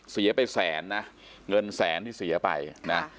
เสียไปแสนนะเงินแสนที่เสียไปนะ